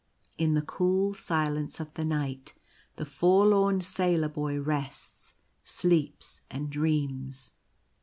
In the cool silence of the night the forlorn Sailor Boy rests — sleeps, and dreams.